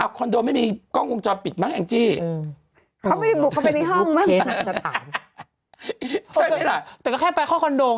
อ้าวคอนโดไม่มีกล้องฟุ้งจอปิดมั้งแห่งจิเขาไม่บุกเข้าย้มเป็นห้องมั่ง